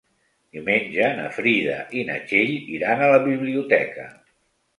Diumenge na Frida i na Txell iran a la biblioteca.